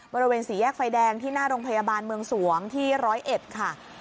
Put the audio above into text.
บริเวณสี่แยกไฟแดงที่หน้าโรงพยาบาลเมืองสวงที่๑๐๑ค่ะ